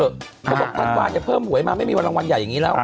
เขาบอกท่านกว่าจะเพิ่มหวยมาไม่มีวันรางวัลใหญ่อย่างนี้แล้ว